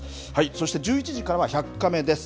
そして１１時からは１００カメです。